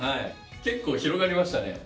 結構広がりましたね。